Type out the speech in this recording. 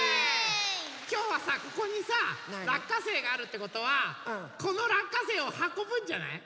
きょうはさここにさらっかせいがあるってことはこのらっかせいをはこぶんじゃない？